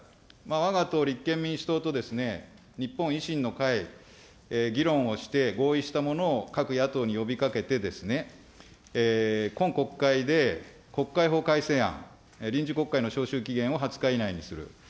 わが党、立憲民主党と日本維新の会、議論をして、合意したものを各野党に呼びかけてですね、今国会で国会法改正案、臨時国会の召集期限を２０日以内にする。